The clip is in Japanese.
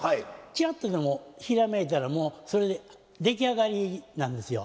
ちらっとでもひらめいたらもうそれで出来上がりなんですよ